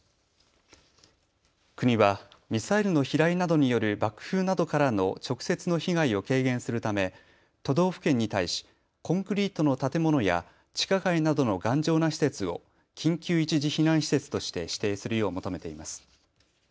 国はミサイルの飛来などによる爆風などからの直接の被害を軽減するため、都道府県に対しコンクリートの建物や地下街などの頑丈な施設を緊急一時避難施設として指定するよう求めています。